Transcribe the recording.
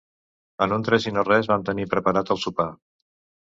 En un tres i no res vam tenir preparat el sopar.